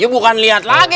ya bukan lihat lagi